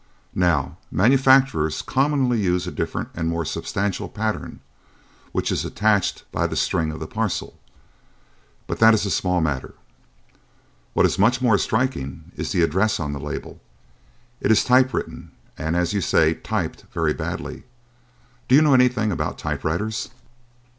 Now, manufacturers commonly use a different and more substantial pattern, which is attached by the string of the parcel. But that is a small matter. What is much more striking is the address on the label. It is typewritten and, as you say, typed very badly. Do you know anything about typewriters?"